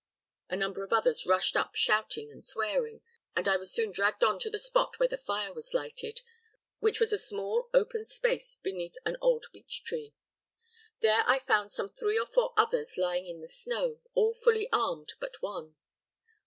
A number of others rushed up shouting and swearing, and I was soon dragged on to the spot where the fire was lighted, which was a small open space beneath an old beech tree. There I found some three or four others lying on the snow, all fully armed but one.